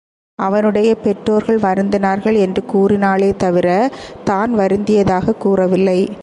அவனுடைய பெற்றோர்கள் வருந்தினார்கள் என்று கூறினாளே தவிரத் தான் வருந்தியதாகக் கூறவில்லை.